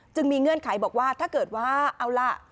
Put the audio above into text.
จึงมีเงื่อนไขบอกว่าถ้าเกิดว่าเอาล่ะ